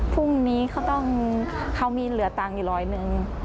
พรุ่งนี้เขาต้องเขามีเหลือตังค์อยู่ร้อยหนึ่ง